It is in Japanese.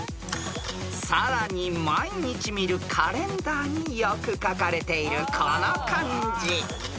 ［さらに毎日見るカレンダーによく書かれているこの漢字］